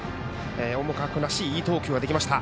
重川君らしいいい投球ができました。